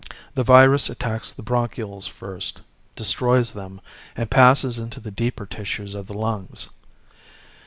"The virus attacks the bronchioles first, destroys them, and passes into the deeper tissues of the lungs.